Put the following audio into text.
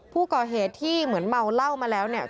ผู้ก่อเหตุที่เหมือนเมาเหล้ามาแล้วเนี่ย